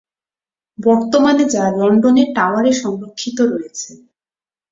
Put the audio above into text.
বর্তমানে যা লন্ডনের টাওয়ারে সংরক্ষিত রয়েছে।